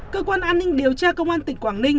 cơ quan an ninh điều tra công an tỉnh quảng ninh